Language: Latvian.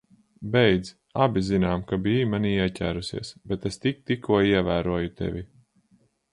Beidz. Abi zinām, ka biji manī ieķērusies, bet es tik tikko ievēroju tevi.